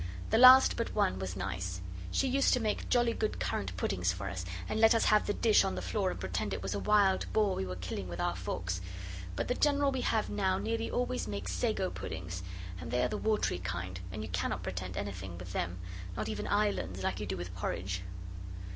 The last but one was nice: she used to make jolly good currant puddings for us, and let us have the dish on the floor and pretend it was a wild boar we were killing with our forks. But the General we have now nearly always makes sago puddings, and they are the watery kind, and you cannot pretend anything with them, not even islands, like you do with porridge.